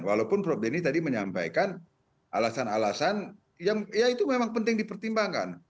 walaupun prof denny tadi menyampaikan alasan alasan yang ya itu memang penting dipertimbangkan